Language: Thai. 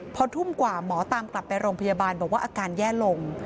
พอทุ่มกว่าหมอตามกลับไปโรงพยาบาลบอกว่าอาการแย่ลง